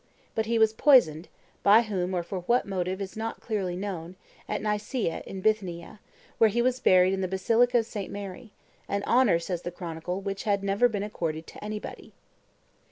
But he was poisoned, by whom or for what motive is not clearly known, at Nicaea, in Bithynia, where he was buried in the basilica of St. Mary an honor, says the chronicle, which had never been accorded to anybody.